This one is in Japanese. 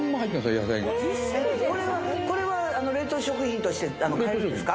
野菜がこれは冷凍食品として買えるんですか？